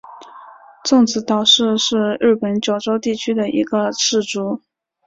种子岛氏是日本九州地区的一个氏族。